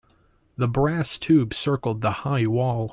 The brass tube circled the high wall.